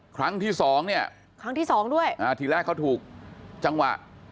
ครั้งที่สองเนี่ยครั้งที่สองด้วยอ่าทีแรกเขาถูกจังหวะ